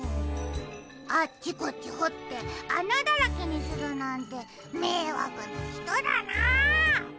あっちこっちほってあなだらけにするなんてめいわくなひとだなあ。